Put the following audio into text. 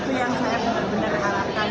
itu yang saya benar benar harapkan